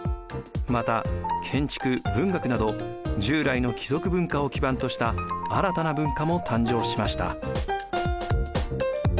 また建築・文学など従来の貴族文化を基盤とした新たな文化も誕生しました。